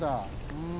うん。